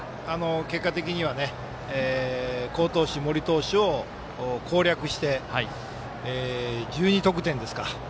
結果的には好投手、森投手を攻略して１２得点ですか。